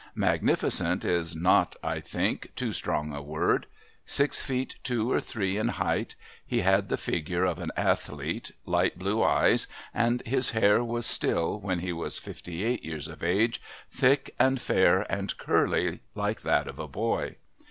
"Magnificent" is not, I think, too strong a word. Six feet two or three in height, he had the figure of an athlete, light blue eyes, and his hair was still, when he was fifty eight years of age, thick and fair and curly like that of a boy.